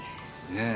ねえ。